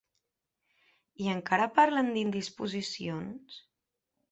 I encara parlen d'indisposicions?